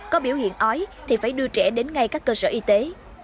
có biểu hiện ói thì phải đưa trẻ đến ngay các cơ sở y tế